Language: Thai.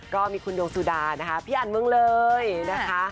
ก็มีคุณดวงสุดานะคะพี่อันเมืองเลยนะคะ